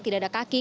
tidak ada kaki